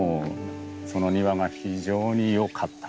その庭が非常に良かった。